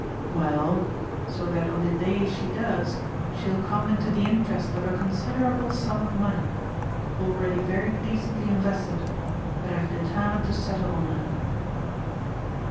"Well, so that on the day she does she'll come into the interest of a considerable sum of money already very decently invested that I've determined to settle on her."